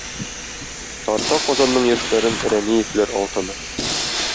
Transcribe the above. Тарта Казанның яшьләрен Рәмиевләр алтыны.